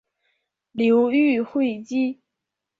流寓会稽。